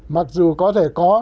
mặc dù có thể có